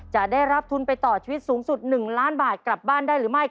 จะได้รับทุนไปต่อชีวิตสูงสุด๑ล้านบาทกลับบ้านได้หรือไม่